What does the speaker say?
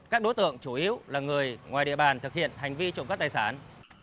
các đối tượng chủ yếu là người ngoài địa bàn thực hiện hành vi trộm cắp tài sản